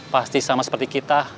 pasti sama seperti kita